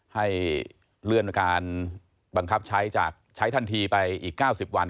ให้เลื่อนการบังคับใช้จากใช้ทันทีไปอีก๙๐วัน